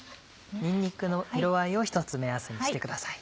にんにくの色合いをひとつ目安にしてください。